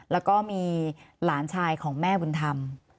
แล้วก็มีหลานชายของแม่บุญธรรม